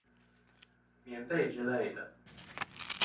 棉被之類的